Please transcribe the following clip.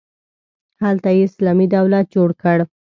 هلته یې اسلامي دولت جوړ کړ.